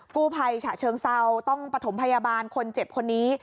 กู้ภัยฉะเชิงเซาต้องประถมพยาบาลคนเจ็บคนนี้